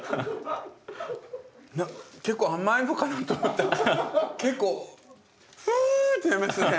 結構甘いのかなと思ったら結構「フーッ！」ってなりますね。